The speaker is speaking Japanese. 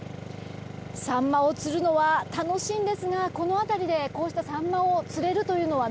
サンマを釣るのは楽しいんですがこの辺りでこうしたサンマを釣れるというのは